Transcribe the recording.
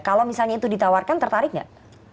kalau misalnya itu ditawarkan tertarik nggak